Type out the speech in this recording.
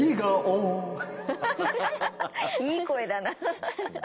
いい声だなあ。